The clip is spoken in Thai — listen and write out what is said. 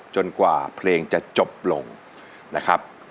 กว่าเพลงจะจบลงนะครับ